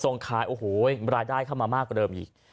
ส่งขายโอ้โหรายได้เข้ามามากกว่าเดิมอีก